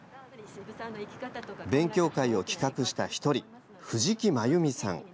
勉強会を企画した１人藤木真弓さん。